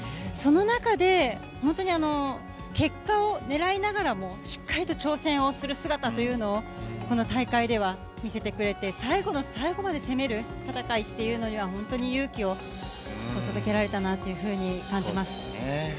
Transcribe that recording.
その中で、本当に結果をねらいながらも、しっかりと挑戦をする姿というのを、この大会では見せてくれて、最後の最後まで攻める戦いっていうのには、本当に勇気を届けられたなっていうふうに感じます。